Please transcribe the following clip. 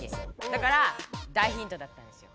だから大ヒントだったんですよ。